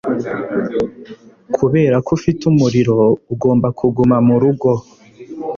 Kubera ko ufite umuriro, ugomba kuguma murugo.